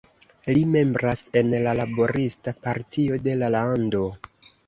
Li membras en la "Laborista Partio" de la lando.